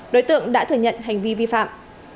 đối tượng đã thừa nhận hành vi vi phạm